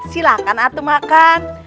silahkan atuh makan